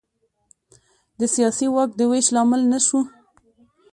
د سیاسي واک د وېش لامل نه شو.